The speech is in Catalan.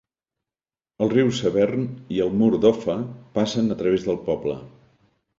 El riu Severn i el mur d'Offa passen a través del poble.